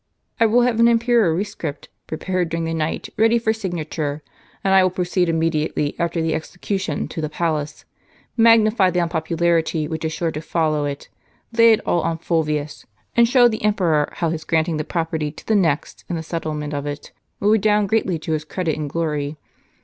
" "I will have an imperial rescript prepared during the night, ready for signature; and I will proceed immediately after the execution to the palace, magnify the unpopularity which is sure to follow it, lay it all on Fulvius, and show the emperor how his granting the property to the next in the set tlement of it, will redound greatly to his credit and glory.